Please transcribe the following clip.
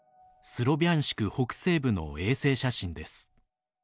スロビャンシク北西部の衛星写真です。